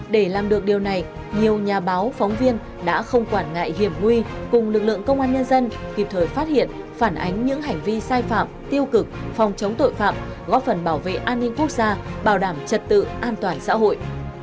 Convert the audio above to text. để làm được điều này nhiều nhà báo phóng viên đã không quản ngại hiểm nguy cùng lực lượng công an nhân dân kịp thời phát hiện phản ánh những hành vi sai phạm tiêu cực phòng chống tội phạm góp phần bảo vệ an ninh quốc gia bảo đảm trật tự an toàn xã hội